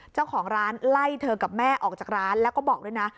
เจ้าของร้านไล่เธอกับแม่ออกจากร้านแล้วก็บอกด้วยนะ